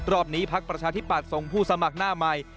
รอบนี้พักประชาธิปัตย์ส่งผู้สมัครหน้าใหม่